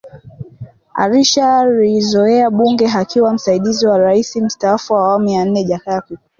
Alishalizoea bunge akiwa msaidizi wa raisi mstaafu wa awamu ya nne Jakaya Kikwete